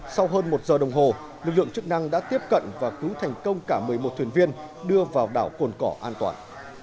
sau hơn một giờ đồng hồ lực lượng chức năng đã tiếp cận và cứu thành công cả một mươi một thuyền viên đưa vào đảo cồn cỏ an toàn